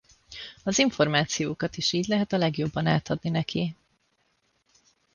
Az információkat is így lehet a legjobban átadni neki.